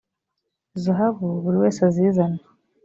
zahabu buri wese azizane